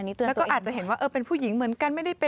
แล้วก็อาจจะเห็นว่าเป็นผู้หญิงเหมือนกัน